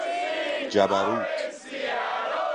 جبروت